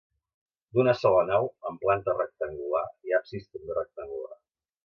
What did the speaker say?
D'una sola nau amb planta rectangular i absis també rectangular.